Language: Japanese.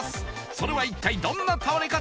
それは一体どんな倒れ方？